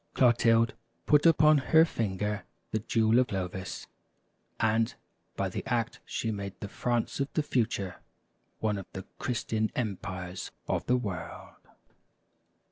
" Clotilde put upon her finger the jewel of Clovis ; and by the act she made the France of the future one of the Christian empires of the world.